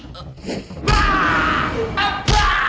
ayo kamu selamatkan dia